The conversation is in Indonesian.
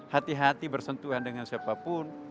hati hati bersentuhan dengan siapapun